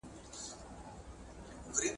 چي مساپر دي له ارغوان کړم ,